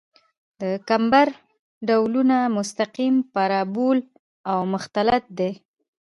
د کمبر ډولونه مستقیم، پارابول او مختلط دي